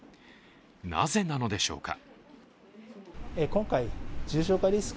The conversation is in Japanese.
なぜなのでしょうか。